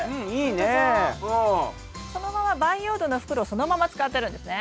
そのまま培養土の袋をそのまま使ってるんですね。